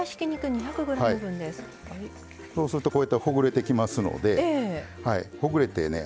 そうするとこういったほぐれてきますのでほぐれてね